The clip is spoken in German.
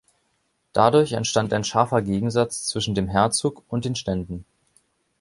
Dadurch entstand ein scharfer Gegensatz zwischen dem Herzog und den Ständen.